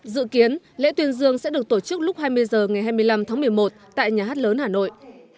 dự kiến lễ tuyên dương sẽ được tổ chức lúc hai mươi h ngày hai mươi năm tháng một mươi một tại nhà hát lớn hà nội